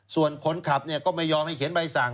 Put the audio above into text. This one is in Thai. ส่วนคนขับก็ไม่ยอมให้เขียนใบสั่ง